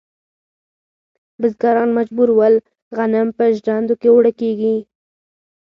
بزګران مجبور ول غنم په ژرندو کې اوړه کړي.